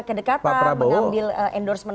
kedekatan mengambil endorsement